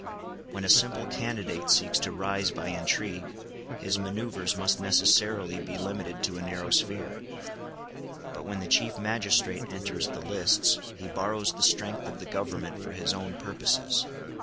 When a simple candidate seeks to rise by intrigue, his manoeuvres must necessarily be limited to a narrow sphere; but when the chief magistrate enters the lists, he borrows the strength of the government for his own purposes.